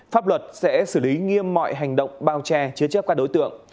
pháp luật sẽ xử lý nghiêm mọi hành động bao che chứa chấp các đối tượng